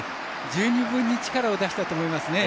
十二分に力を出したと思いますね。